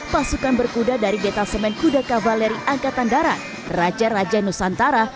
pasukan berkuda dari detasemen kuda kavaleri angkatan darat raja raja nusantara